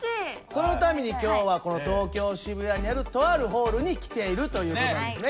そのために今日は東京・渋谷にあるとあるホールに来ているという事なんですね。